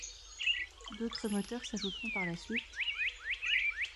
D’autres moteurs s’ajouteront par la suite.